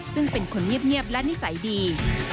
ซึ่งเป็นคนเงียบและนิสัยดี